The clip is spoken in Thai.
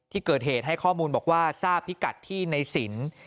ที่เกิดเหตุให้ข้อมูลบอกว่าทราบพิกัดที่ในสิน